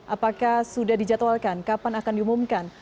apakah sudah dijadwalkan kapan akan diumumkan